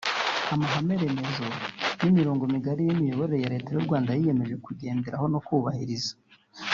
Amahame remezo ni imirongo migari y’imiyoborere Leta y’u Rwanda yiyemeje kugenderaho no kubahiriza